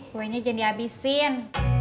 kuenya jangan di abisin